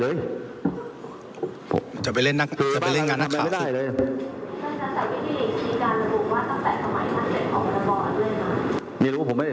เอาอะไรเป็นเรื่องของเราก็ไปเรื่องของประเทศเรา